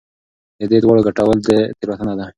د دې دواړو ګډول تېروتنه ده.